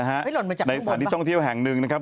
เห้ยหล่นมาจากข้างบนป่ะในฐานที่ต้องเที่ยวแห่งหนึ่งนะครับ